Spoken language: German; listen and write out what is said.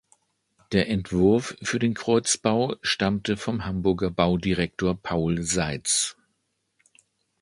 Der Entwurf für den Kreuzbau stammte vom Hamburger Baudirektor Paul Seitz.